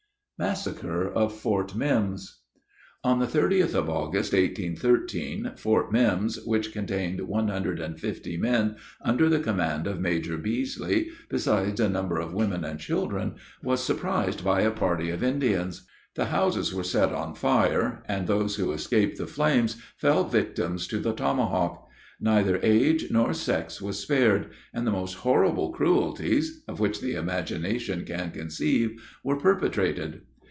[Illustration: GEN. COFFEE'S ATTACK ON THE INDIANS.] MASSACRE OF FORT MIMMS. On the 30th of August, 1813, Fort Mimms, which contained one hundred and fifty men, under the command of Major Beasely, besides a number of women and children, was surprised by a party of Indians. The houses were set on fire, and those who escaped the flames fell victims to the tomahawk. Neither age nor sex was spared; and the most horrible cruelties, of which the imagination can conceive, were perpetrated.